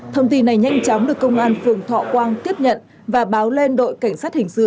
thông tin này nhanh chóng được công an phường thọ quang tiếp nhận và báo lên đội cảnh sát hình sự